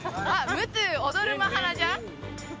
「ムトゥ踊るマハラジャ」？